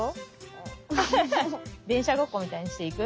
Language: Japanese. でんしゃごっこみたいにしていく？